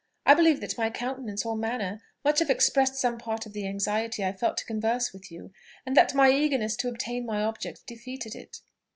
I believe that my countenance or manner must have expressed some part of the anxiety I felt to converse with you, and that my eagerness to obtain my object defeated it.